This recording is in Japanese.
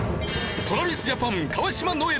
ＴｒａｖｉｓＪａｐａｎ川島如恵